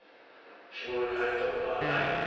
氷室に入った事はないと。